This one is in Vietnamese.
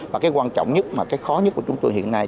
và cái quan trọng nhất mà cái khó nhất của chúng tôi hiện nay